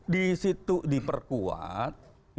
di situ diperkuat